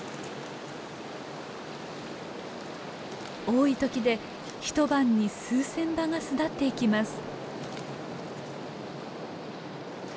多い時で一晩に数千羽が巣立っていきます。